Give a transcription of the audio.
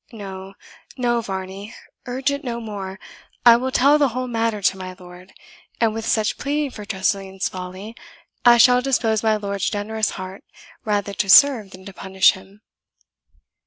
No, no, Varney, urge it no more. I will tell the whole matter to my lord; and with such pleading for Tressilian's folly, as shall dispose my lord's generous heart rather to serve than to punish him."